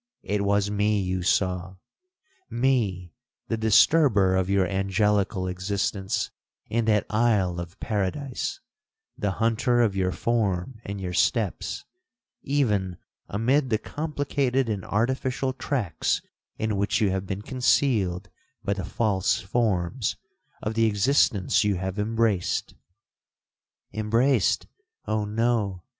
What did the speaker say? It was me you saw—me, the disturber of your angelical existence in that isle of paradise—the hunter of your form and your steps, even amid the complicated and artificial tracks in which you have been concealed by the false forms of the existence you have embraced!'—'Embraced!—Oh no!